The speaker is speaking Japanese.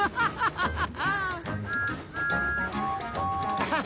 ウハハハハ！